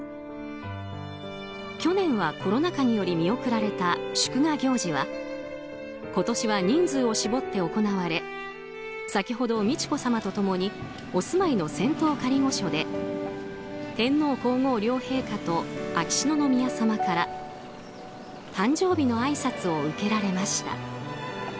去年は、コロナ禍により見送られた祝賀行事は今年は人数を絞って行われ先ほど美智子さまと共にお住いの仙洞仮御所で天皇・皇后両陛下と秋篠宮さまから誕生日のあいさつを受けられました。